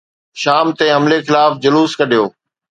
شام تي حملي خلاف جلوس ڪڍيو